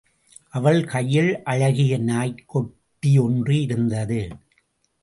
அவள் கையில் அழகிய நாய்க்குட்டி ஒன்று இருந்தது.